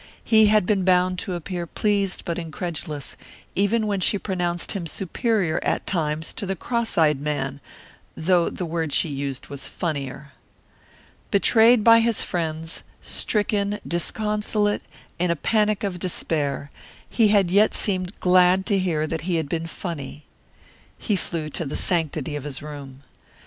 He had been bound to appear pleased but incredulous, even when she pronounced him superior, at times, to the cross eyed man though the word she used was "funnier." Betrayed by his friends, stricken, disconsolate, in a panic of despair, he had yet seemed glad to hear that he had been "funny." He flew to the sanctity of his room.